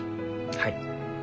はい。